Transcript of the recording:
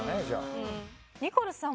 ニコルさん